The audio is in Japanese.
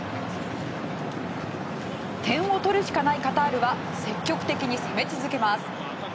点を取るしかないカタールは積極的に攻め続けます。